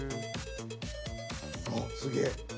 あっすげえ！